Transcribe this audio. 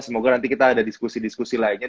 semoga nanti kita ada diskusi diskusi lainnya